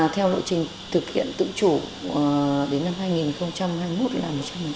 theo lộ trình thực hiện tự chủ đến năm hai nghìn hai mươi một là một trăm linh